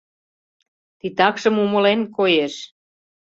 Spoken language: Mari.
Титакшым умылен, коеш.